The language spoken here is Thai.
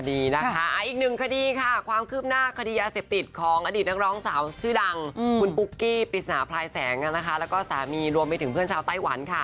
อีกหนึ่งคดีค่ะความคืบหน้าคดียาเสพติดของอดีตนักร้องสาวชื่อดังคุณปุ๊กกี้ปริศนาพลายแสงแล้วก็สามีรวมไปถึงเพื่อนชาวไต้หวันค่ะ